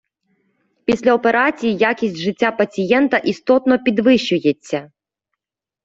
Після операції якість життя пацієнта істотно підвищується.